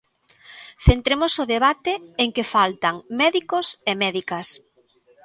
Centremos o debate en que faltan médicos e médicas.